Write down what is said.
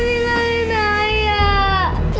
yang meninggalin ayah